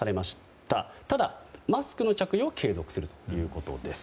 ただ、マスクの着用は継続するということです。